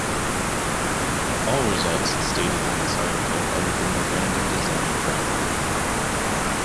All results stated in this article are within the random design framework.